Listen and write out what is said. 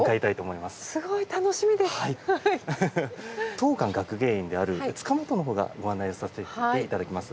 当館学芸員である塚本のほうがご案内をさせて頂きます。